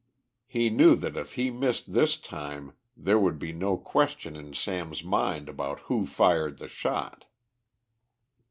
He knew that if he missed this time, there would be no question in Sam's mind about who fired the shot.